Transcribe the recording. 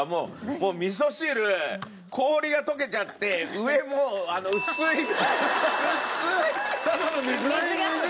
もう味噌汁氷が溶けちゃって上もう薄い薄い薄い水なのよ